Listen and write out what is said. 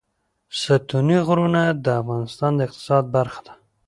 ستوني غرونه د افغانستان د اقتصاد برخه ده.